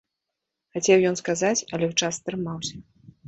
Хацеў ён сказаць, але ў час стрымаўся.